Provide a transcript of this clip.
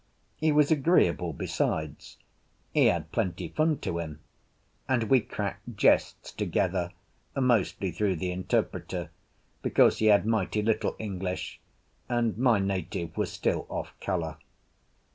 He was agreeable besides; he had plenty fun to him; and we cracked jests together, mostly through the interpreter, because he had mighty little English, and my native was still off colour.